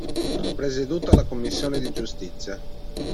Ha presieduto alla commissione di Giustizia.